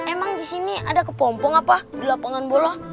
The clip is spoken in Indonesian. emang disini ada kepompong apa di lapangan bola